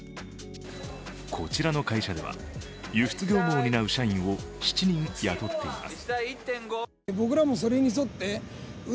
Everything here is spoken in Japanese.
こちらの会社では、輸出業務を担う社員を７人雇っています。